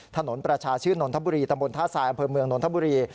ถนนประชาชื่นนทบุรีตำบลท่าทรายอำเภอเมืองนนทบุรี